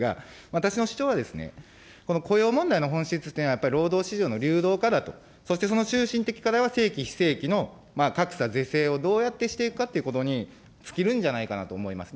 私の主張は、この雇用問題の本質というのは、やっぱり労働市場の流動化だと、そして、その中心的課題は、正規、非正規の格差是正をどうやってしていくかということに尽きるんじゃないかと思います。